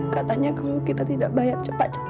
katanya kalau kita tidak bayar cepat cepat